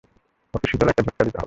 ওকে শীতল একটা ঝটকা দিতে হবে।